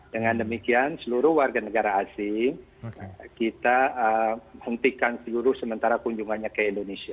dengan demikian seluruh warga negara asing kita hentikan seluruh sementara kunjungannya ke indonesia